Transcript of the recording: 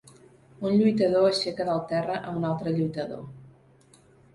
Un lluitador aixeca del terra a un altre lluitador.